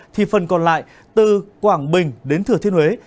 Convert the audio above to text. thì phần còn lại từ quảng bình đến thừa thiên huế